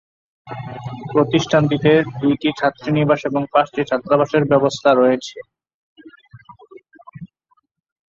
প্রতিষ্ঠানটিতে দুইটি ছাত্রীনিবাস এবং পাঁচটি ছাত্রাবাসের ব্যবস্থা রয়েছে।